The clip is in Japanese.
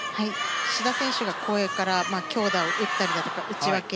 志田選手が後衛から強打を打ったりだとか打ち分け。